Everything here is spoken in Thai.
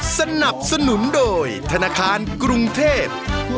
สนับสนุนโดยธนาคารกรุงเทพฯ